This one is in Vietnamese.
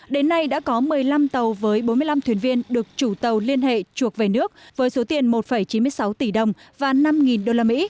đến nay đã có một mươi năm tàu với bốn mươi năm thuyền viên được chủ tàu liên hệ chuộc về nước với số tiền một chín mươi sáu tỷ đồng và năm usd